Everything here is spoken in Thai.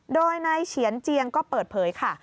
โดยนายเฉียนเจียงก็เปิดเผยค่ะ